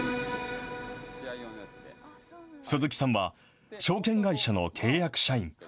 鈴木さんは、証券会社の契約社員。